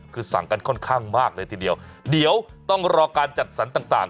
คือสั่งกันค่อนข้างมากเลยทีเดียวเดี๋ยวต้องรอการจัดสรรต่าง